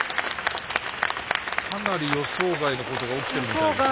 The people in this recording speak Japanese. かなり予想外のことが起きてるみたいですね。